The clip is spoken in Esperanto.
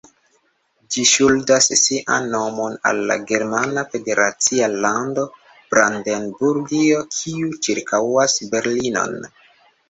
Ĝi ŝuldas sian nomon al la germana federacia lando Brandenburgio, kiu ĉirkaŭas Berlinon.